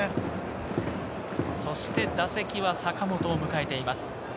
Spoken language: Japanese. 打席は坂本を迎えています。